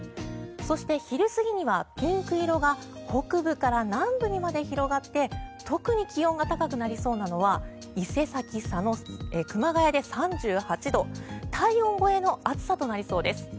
そして昼過ぎにはピンク色が北部から南部まで広がって特に気温が高くなりそうなのは伊勢崎、佐野、熊谷で３８度体温超えの暑さとなりそうです。